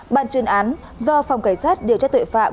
bản chuyên án do phòng cảnh sát điều trách tuyên